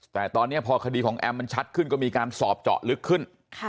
แต่ตอนนี้พอคดีของแอมมันชัดขึ้นก็มีการสอบเจาะลึกขึ้น